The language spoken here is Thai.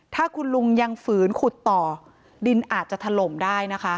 ถ้าคุณลุงยังฝืนขุดต่อดินอาจจะถล่มได้นะคะ